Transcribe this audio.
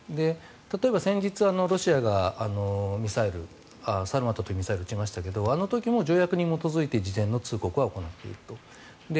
例えば先日ロシアがサルマトというミサイルを撃ちましたがあの時も条約に基づいて事前の通告は行っていると。